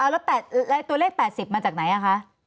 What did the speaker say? แล้วตัวเลข๘๐มาจากไหนคะ